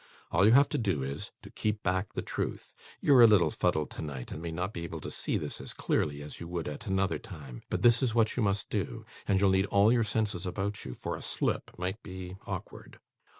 All you have to do is, to keep back the truth. You're a little fuddled tonight, and may not be able to see this as clearly as you would at another time; but this is what you must do, and you'll need all your senses about you; for a slip might be awkward.